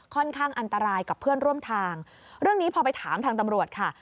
ข้างอันตรายกับเพื่อนร่วมทางเรื่องนี้พอไปถามทางตำรวจค่ะ